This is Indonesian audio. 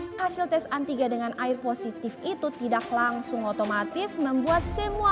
hai hasil tes antigen dengan air positif itu tidak langsung otomatis membuat semua